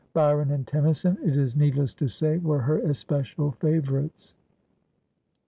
Byron and Tennyson, it is need less to say, were her especial favourites.